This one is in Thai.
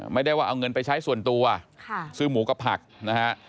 ไม่ได้ว่าเอาเงินไปใช้ส่วนตัวซื้อหมูกับผักนะฮะ